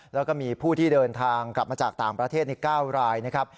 แล้วก็มีผู้ที่เดินทางกลับมาจากต่างประเทศใน๙รายนะครับ